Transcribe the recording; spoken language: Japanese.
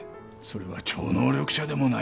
それは超能力者でもないと。